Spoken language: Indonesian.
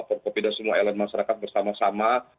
perkebidatan semua elemen masyarakat bersama sama